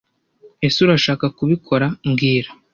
ese Urashaka kubikora mbwira